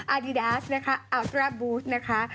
อาดีดาสนะคะอัลตราบูสนะคะ